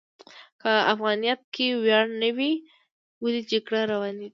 که افغانیت کې ویاړ نه و، ولې جګړې روانې دي؟